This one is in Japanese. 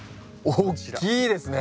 おっきいですね。